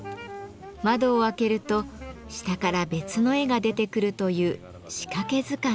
窓を開けると下から別の絵が出てくるという「仕掛け図鑑」です。